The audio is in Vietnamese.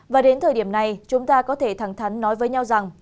và đến thời điểm này chúng ta có thể thẳng thắn nói với nhau rằng